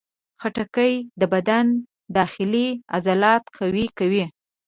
خټکی د بدن داخلي عضلات قوي کوي.